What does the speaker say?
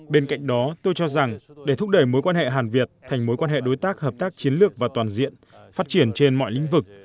bên cạnh đó tôi cho rằng để thúc đẩy mối quan hệ hàn việt thành mối quan hệ đối tác hợp tác chiến lược và toàn diện phát triển trên mọi lĩnh vực